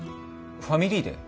ファミリーデー？